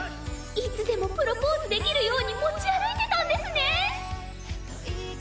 いつでもプロポーズできるように持ち歩いてたんですね！